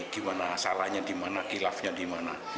gimana salahnya dimana kilafnya dimana